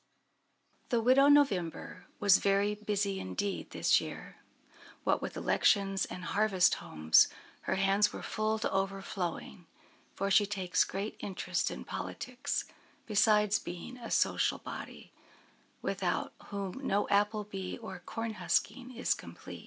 The widow November was very busy indeed this year. What with elections and harvest homes, her hands were full to overflowing; for she takes great interest in politics, besides being a social body, without whom no apple bee or corn husking is complete.